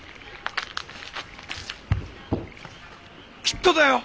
きっとだよ！